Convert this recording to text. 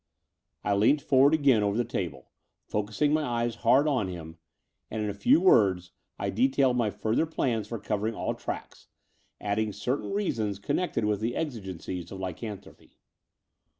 I leant forward again over the table, focussing my eyes hard on him: and in a few words I detailed my further plan for covering all tracks, adding certain reasons connected with the exigencies of lycan thropy.